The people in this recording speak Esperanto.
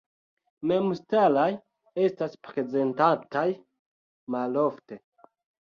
Memstaraj estas prezentataj malofte.